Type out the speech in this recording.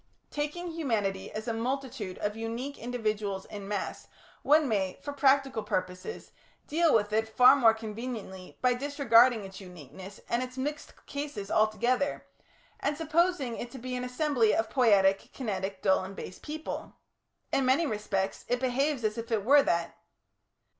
Taking humanity as a multitude of unique individuals in mass, one may, for practical purposes, deal with it far more conveniently by disregarding its uniquenesses and its mixed cases altogether, and supposing it to be an assembly of poietic, kinetic, dull, and base people. In many respects it behaves as if it were that.